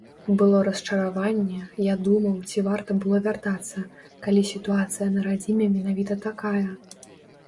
Было расчараванне, я думаў, ці варта было вяртацца, калі сітуацыя на радзіме менавіта такая.